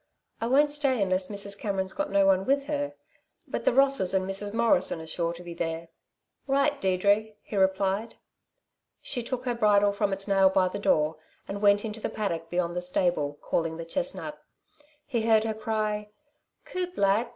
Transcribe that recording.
"I won't stay unless Mrs. Cameron's got no one with her; but the Rosses and Mrs. Morrison are sure to be there." "Right, Deirdre!" he replied. She took her bridle from its nail by the door, and went into the paddock beyond the stable, calling the chestnut. He heard her cry: "Coup lad!